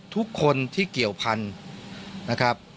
ทุกคนที่เกี่ยวพันธุ์นะครับ